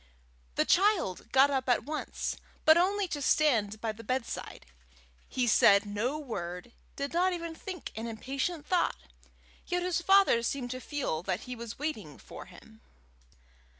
The child got up at once, but only to stand by the bed side. He said no word, did not even think an impatient thought, yet his father seemed to feel that he was waiting for him.